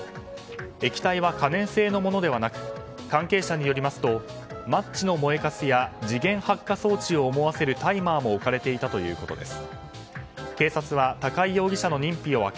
液体は可燃性のものではなく関係者によりますとマッチの燃えカスや時限発火装置を思わせるタイマーも置かれていたということです。